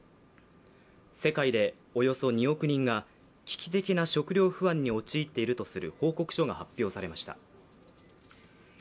世界でおよそ２億人が危機的な食料不安に陥っているとする報告書が発表されました。